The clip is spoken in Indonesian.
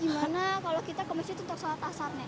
gimana kalau kita ke masjid untuk sholat asar nek